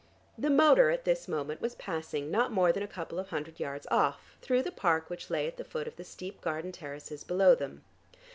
The motor at this moment was passing not more than a couple of hundred yards off through the park which lay at the foot of the steep garden terraces below them.